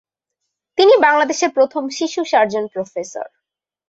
তিনি বাংলাদেশের প্রথম শিশু সার্জন প্রফেসর।